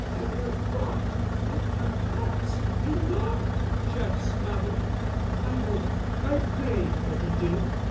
Have you thought—that perhaps he loved—Jeff's mother?" "I hope—I pray that he did.